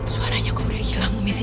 suaranya kok udah hilang